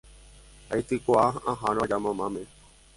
aitykua aha'arõ aja mamáme